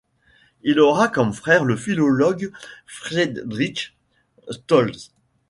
Il aura comme frère le philologue Friedrich Stolz.